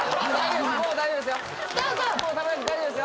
もう大丈夫ですよ